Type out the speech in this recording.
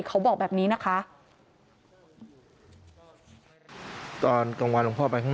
เขาบอกแบบนี้นะคะ